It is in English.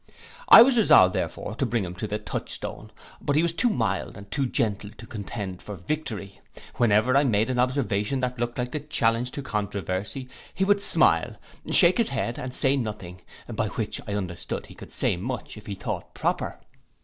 I was resolved therefore to bring him to the touch stone; but he was too mild and too gentle to contend for victory. Whenever I made any observation that looked like a challenge to controversy, he would smile, shake his head, and say nothing; by which I understood he could say much, if he thought proper.